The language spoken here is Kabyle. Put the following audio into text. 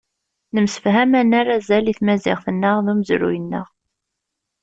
Nemsefham ad nerr azal i tmaziɣt-nneɣ d umezruy-nneɣ.